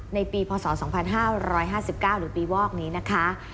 ในปีพศ๒๕๕๙หรือปีวอกนี้นะคะ